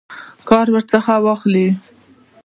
کار ورڅخه واخلي.